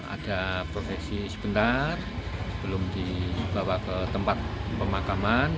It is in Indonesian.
ada profesi sebentar sebelum dibawa ke tempat pemakaman